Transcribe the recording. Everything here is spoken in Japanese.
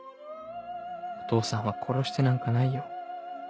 「お父さんは殺してなんかないよ。